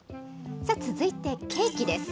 続いてケーキです。